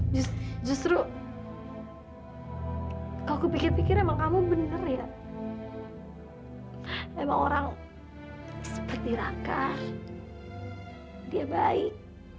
iya justru hai kau pikir pikir emang kamu bener ya hai emang orang seperti raka dia baik